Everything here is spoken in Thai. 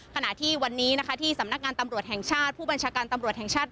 ขณะที่วันนี้นะคะที่สำนักงานตำรวจแห่งชาติผู้บัญชาการตำรวจแห่งชาติ